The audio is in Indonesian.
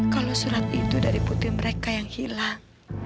kalo surat itu dari putih mereka yang hilang